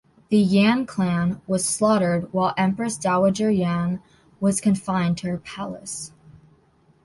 The Yan clan was slaughtered, while Empress Dowager Yan was confined to her palace.